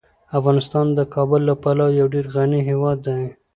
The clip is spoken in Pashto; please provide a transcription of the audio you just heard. افغانستان د کابل له پلوه یو ډیر غني هیواد دی.